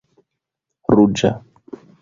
ruĝa